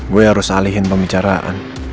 gue harus alihin pembicaraan